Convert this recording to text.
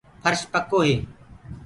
ڦرش پڪو هي۔